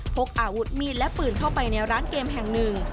พกอาวุธมีดและปืนเข้าไปในร้านเกมแห่งหนึ่ง